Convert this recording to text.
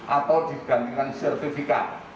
atau digantikan sertifikat